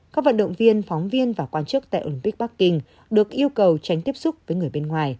các vận động viên phóng viên và quan chức tại olympic bắc kinh được yêu cầu tránh tiếp xúc với người bên ngoài